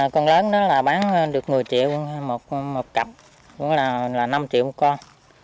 con lớn đó là bán được một mươi triệu một cặp cũng là năm triệu một con